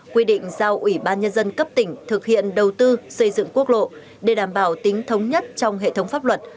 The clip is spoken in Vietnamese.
quy định giao ủy ban nhân dân cấp tỉnh thực hiện đầu tư xây dựng quốc lộ để đảm bảo tính thống nhất trong hệ thống pháp luật